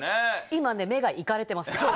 今ね目がいかれてます